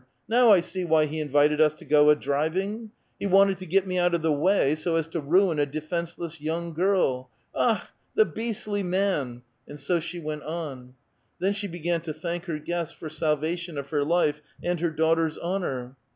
Now I see why he invited us to go a driving ! He wanted to get me out of the way so as to ruin a defenceless young girl ! Akh ! the beastly man !" and so she went on. Then she began to thank her guests for salvation of her life and her daughter's honor.